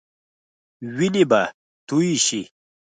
وينې به تويي شي.